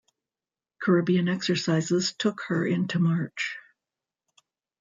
Caribbean exercises took her into March.